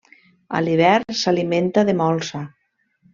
A l'hivern s'alimenta de molsa.